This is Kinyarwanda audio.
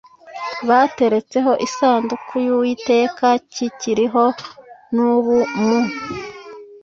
bateretseho isanduku y Uwiteka kikiriho n ubu mu